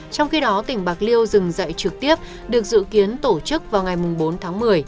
trong khi đó tỉnh bạc liêu dừng dạy trực tiếp được dự kiến tổ chức vào ngày bốn tháng một mươi